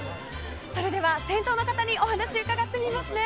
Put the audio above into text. それでは先頭の方にお話伺ってみますね。